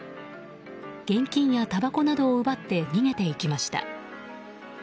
現金やたばこなどを奪って逃げていきました。